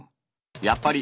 やっぱり。